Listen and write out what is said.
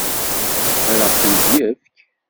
Ad ɣ-tent-yefk?